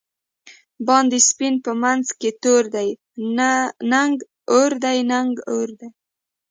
باندی سپین په منځ کی تور دۍ، نگه اور دی نگه اور دی